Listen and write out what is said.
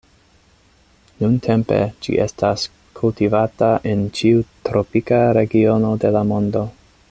Nuntempe ĝi estas kultivata en ĉiu tropika regiono de la mondo.